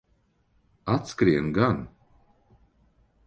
Atskrien gan.